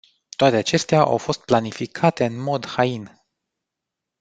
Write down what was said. Toate acestea au fost planificate în mod hain.